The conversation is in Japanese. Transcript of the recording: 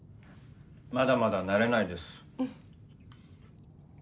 まだまだ慣れないです。